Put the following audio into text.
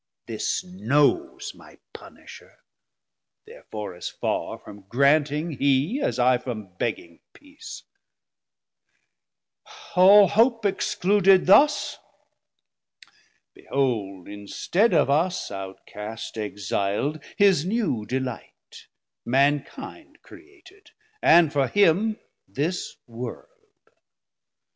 This knows my punisher; therefore as farr From granting hee, as I from begging peace: All hope excluded thus, behold in stead Of us out cast, exil'd, his new delight, Mankind created, and for him this World.